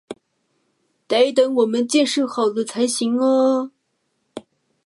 得等我们建设好了才行啊